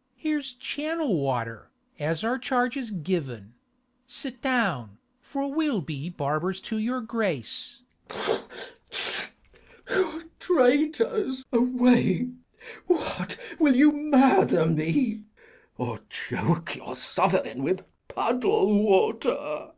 Mat. Here's channel water, as our charge is given: Sit down, for we'll be barbers to your grace. K. Edw. Traitors, away! what, will you murder me, Of choke your sovereign with puddle water? _Gur.